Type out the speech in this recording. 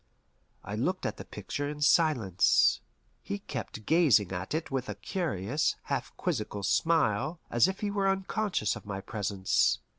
I looked at the picture in silence. He kept gazing at it with a curious, half quizzical smile, as if he were unconscious of my presence.